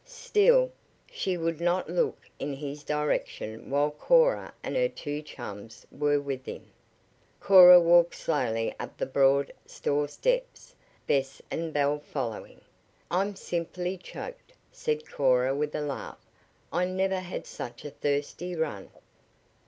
Still, she would not look in his direction while Cora and her two chums were with him. Corn walked slowly up the broad store steps; Bess and Belle following. "I'm simply choked," said Cora with a laugh. "I never had such a thirsty run."